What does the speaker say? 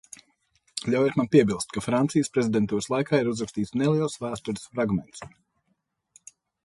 Ļaujiet man piebilst, ka Francijas prezidentūras laikā ir uzrakstīts neliels vēstures fragments.